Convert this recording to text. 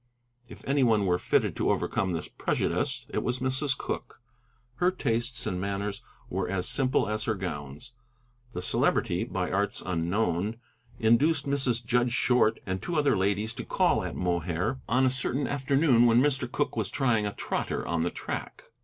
If any one were fitted to overcome this prejudice, it was Mrs. Cooke. Her tastes and manners were as simple as her gowns. The Celebrity, by arts unknown, induced Mrs. Judge Short and two other ladies to call at Mohair on a certain afternoon when Mr. Cooke was trying a trotter on the track.